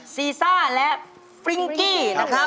ซีซ่าและฟริ้งกี้นะครับ